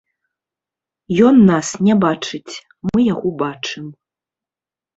Ён нас не бачыць, мы яго бачым.